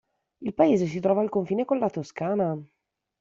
Il paese si trova al confine con la Toscana.